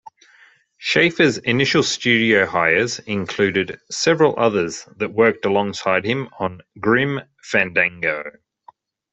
Schafer's initial studio hires included several others that worked alongside him on "Grim Fandango".